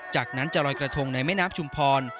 จากนั้นจะลอยกระทงในแม่น้ำชุมพร